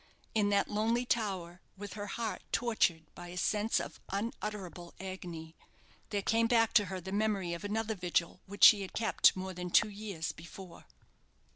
In that lonely tower, with her heart tortured by a sense of unutterable agony, there came back to her the memory of another vigil which she had kept more than two years before.